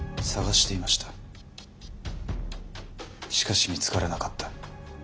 しかし見つからなかった。